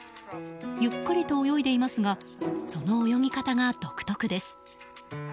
ゆっくりと泳いでいますがその泳ぎ方が独特です。